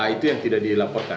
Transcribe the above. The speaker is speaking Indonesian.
itu yang tidak dilaporkan